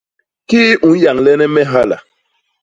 Kii u nyahlene me hala?